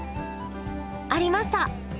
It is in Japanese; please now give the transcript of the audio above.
ありました！